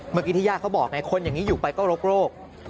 เมื่อกี้ที่ญาติเขาบอกไงคนอย่างนี้อยู่ไปก็โรค